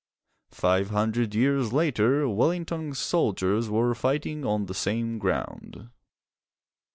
Five hundred years later Wellington's soldiers were fighting on the same ground.